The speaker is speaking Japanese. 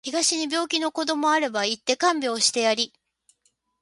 東に病気の子どもあれば行って看病してやり